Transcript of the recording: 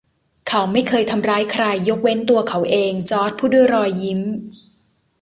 เขาไม่เคยทำร้ายใคร ยกเว้นตัวเขาเอง จอร์จพูดด้วยรอยยิ้ม